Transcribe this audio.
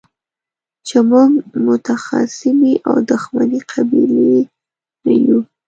چې موږ متخاصمې او دښمنې قبيلې نه يو.